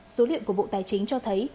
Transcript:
số liệu của bộ tài chính cho thấy